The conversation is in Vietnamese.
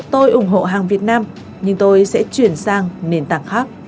tôi ủng hộ hàng việt nam nhưng tôi sẽ chuyển sang nền tảng khác